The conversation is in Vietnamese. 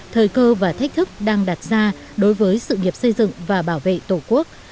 thời cơ và thách thức đang đặt ra đối với sự nghiệp xây dựng và bảo vệ tổ quốc